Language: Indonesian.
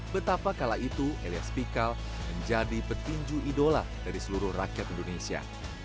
betapa kala itu elias pikal menjadi petinju idola dari seluruh rakyat indonesia